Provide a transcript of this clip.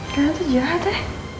kalian tuh jahat ya